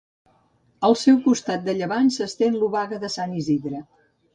Al seu costat de llevant s'estén l'Obaga de Sant Isidre.